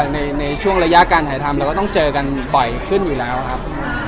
ในช่วงระยะการถ่ายทำเราก็ต้องเจอกันบ่อยขึ้นอยู่แล้วครับ